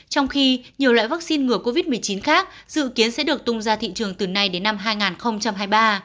trong khi nhiều loại vaccine ngừa covid một mươi chín khác dự kiến sẽ được tung ra thị trường từ nay đến năm hai nghìn hai mươi ba